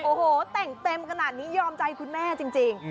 โอ้โหแต่งเต็มขนาดนี้ยอมใจคุณแม่จริง